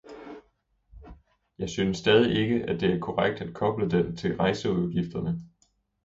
Jeg synes stadig ikke, det er korrekt at koble den til rejseudgifterne.